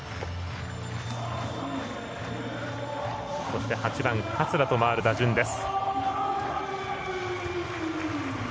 そして、８番の桂と回る打順です。